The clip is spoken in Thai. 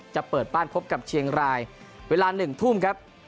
จะเปิดบ้านพบกับเชียงรายเวลา๑ทุ่มครับ